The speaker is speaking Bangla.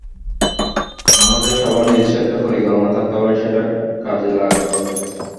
আমাদের সবার নিজস্ব একটা পরিকল্পনা থাকতে হবে এবং সেটা কাজে লাগাতে হবে।